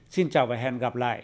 xin chào và hẹn gặp lại